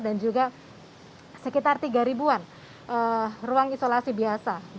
dan juga sekitar tiga an ruang isolasi biasa